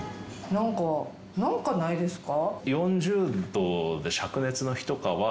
何か何かないですか？